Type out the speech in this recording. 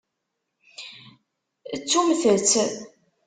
Ttumt-t.